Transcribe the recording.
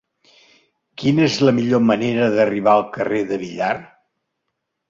Quina és la millor manera d'arribar al carrer de Villar?